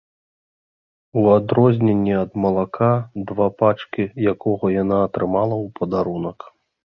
У адрозненне ад малака, два пачкі якога яна атрымала ў падарунак.